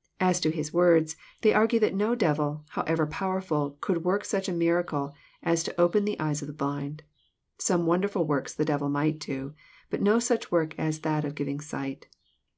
— As to his works, they argue that no devil, how ever powerful, could work such a miracle as to open the eyes of the blind. Some wonderf\il works the devil might do, but no such work as that of giving sight.